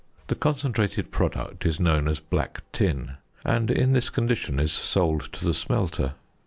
The concentrated product is known as "black tin," and in this condition is sold to the smelter.